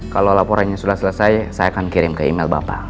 kalau laporannya sudah selesai saya akan kirim ke email bapak